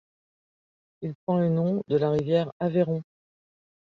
Il prend le nom de la rivière Aveyron.